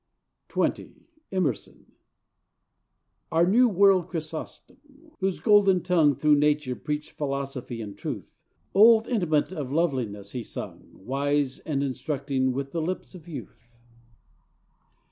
XX Emerson Our New World Chrysostom, whose golden tongue Through Nature preached philosophy and truth: Old intimate of loveliness he sung, Wise and instructing with the lips of youth.